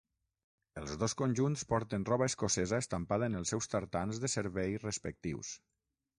Els dos conjunts porten roba escocesa estampada en els seus tartans de servei respectius.